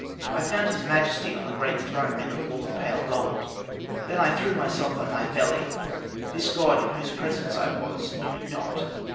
I found his Majesty on the great throne in the hall of pale gold. Then I threw myself on my belly; this god, in whose presence I was, knew me not.